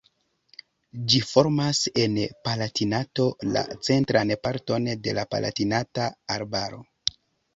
Ĝi formas en Palatinato la centran parton de la Palatinata Arbaro.